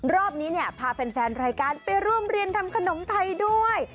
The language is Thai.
รอบนี้เนี่ยพาแฟนรายการไปร่วมเรียนทำขนมไทยด้วย